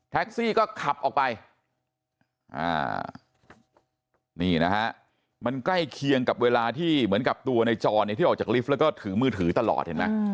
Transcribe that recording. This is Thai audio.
แท็กซี่ก็ขับออกไปมันใกล้เคียงกับเวลาที่เหมือนกับตัวในจอดที่ออกจากลิฟต์และถือมือถือตลอด